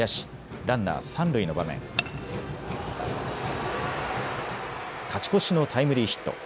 ランナー三塁の場面、勝ち越しのタイムリーヒット。